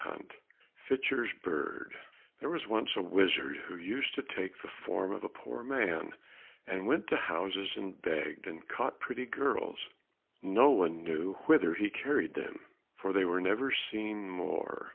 46 Fitcher's Bird There was once a wizard who used to take the form of a poor man, and went to houses and begged, and caught pretty girls. No one knew whither he carried them, for they were never seen more.